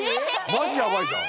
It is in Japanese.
⁉まじやばいじゃん！